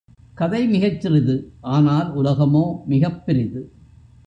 கதை மிகச் சிறிது, ஆனால் உலகமோ மிகப் பெரிது.